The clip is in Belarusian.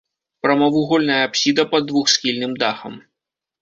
Прамавугольная апсіда пад двухсхільным дахам.